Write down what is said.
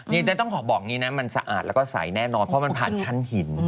นี่แต่ต้องขอบอกอย่างนี้นะมันสะอาดแล้วก็ใสแน่นอนเพราะมันผ่านชั้นหิน